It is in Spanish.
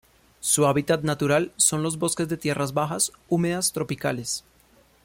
Su hábitat natural son los bosques de tierras bajas húmedas tropicales.